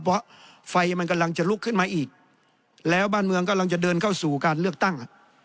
เพราะไฟมันกำลังจะลุกขึ้นมาอีกแล้วบ้านเมืองกำลังจะเดินเข้าสู่การเลือกตั้ง